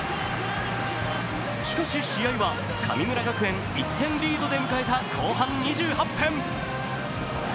しかし試合は神村学園１点リードで迎えた後半２８分。